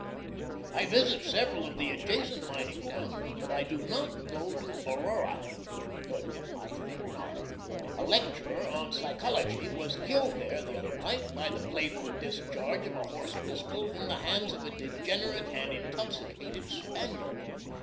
.... I visit several of the adjacent mining towns, but I do not go to Aurora. No, I think not. A lecturer on psychology was killed there the other night by the playful discharge of a horse pistol in the hands of a degenerate and intoxicated Spaniard.